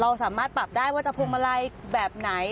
สามารถปรับได้ว่าจะพวงมาลัยแบบไหน